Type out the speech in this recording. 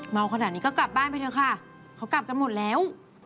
ขนาดนี้ก็กลับบ้านไปเถอะค่ะเขากลับกันหมดแล้ว